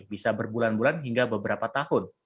bisa berbulan bulan hingga beberapa tahun